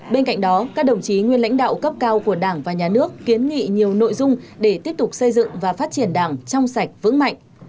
bên cạnh đó các đồng chí nguyên lãnh đạo cấp cao của đảng và nhà nước kiến nghị nhiều nội dung để tiếp tục xây dựng và phát triển đảng trong sạch vững mạnh